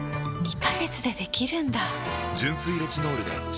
２カ月でできるんだ！